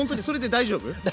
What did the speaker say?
大丈夫。